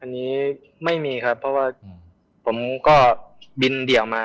อันนี้ไม่มีครับเพราะว่าผมก็บินเดี่ยวมา